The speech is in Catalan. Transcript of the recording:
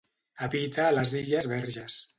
Habita a les illes Verges.